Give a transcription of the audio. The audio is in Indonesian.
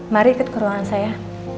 mari ikut ke ruangan saya